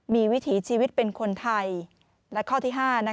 ๔มีวิถีชีวิตเป็นคนไทย